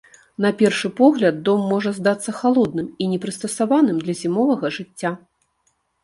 На першы погляд дом можа здацца халодным і не прыстасаваным для зімовага жыцця.